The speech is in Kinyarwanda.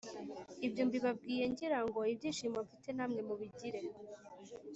Ibyo mbibabwiye ngira ngo ibyishimo mfite namwe mubigire